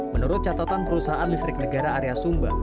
menurut catatan perusahaan listrik negara area sumba